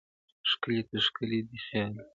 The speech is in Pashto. ښکلې ته ښکلی دي خیال دی,